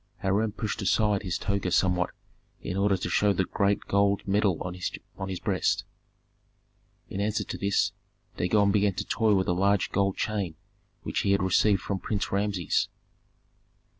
Hiram pushed aside his toga somewhat in order to show the great gold medal on his breast; in answer to this Dagon began to toy with a large gold chain which he had received from Prince Rameses.